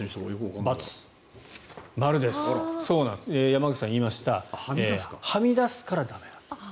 山口さんが言いましたはみ出すから駄目。